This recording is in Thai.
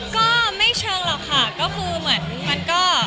ก็ไม่เชิงหรอกค่ะก็คือเหมือนมันก็